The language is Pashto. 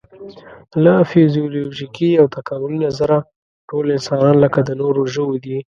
له فزیولوژیکي او تکاملي نظره ټول انسانان لکه د نورو ژوو دي.